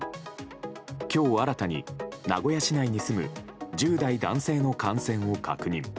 今日新たに、名古屋市内に住む１０代男性の感染を確認。